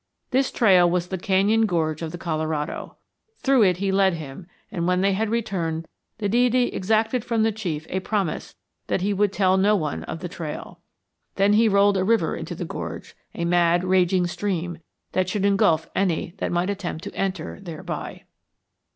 This trail was the canyon gorge of the Colorado. Through it he led him; and when they had returned the deity exacted from the chief a promise that he would tell no one of the trail. Then he rolled a river into the gorge, a mad, raging stream, that should engulf any that might attempt to enter thereby."